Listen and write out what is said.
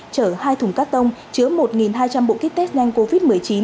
chở hai thùng cắt tông chứa một hai trăm linh bộ kit test nhanh covid một mươi chín